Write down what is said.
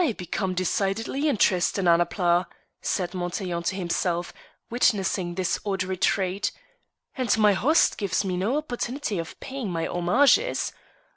"I become decidedly interested in Annapla," said Montaiglon to himself, witnessing this odd retreat, "and my host gives me no opportunity of paying my homages.